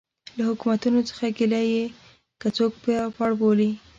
له حکومتونو څه ګیله یا یې څوک پړ بولي.